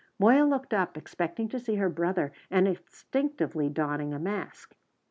Moya looked up, expecting to see her brother, and instinctively donning a mask.